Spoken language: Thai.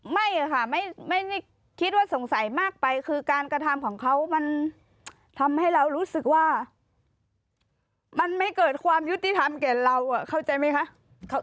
ไม่ค่ะไม่คิดว่าสงสัยมากไปคือการกระทำของเขามันทำให้เรารู้สึกว่ามันไม่เกิดความยุติธรรมแก่เราเข้าใจไหมคะ